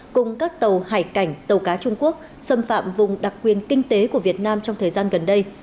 cùng các tàu hải cảnh tàu cá trung quốc xâm phạm vùng đặc quyền kinh tế của việt nam trong thời gian gần đây